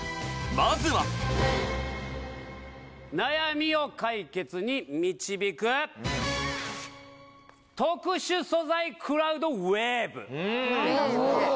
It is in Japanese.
まずは悩みを解決に導く特殊素材クラウドウェーブ